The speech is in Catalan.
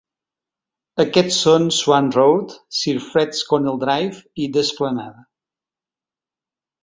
Aquests són Swann Road, Sir Fred Schonell Drive i The Esplanade.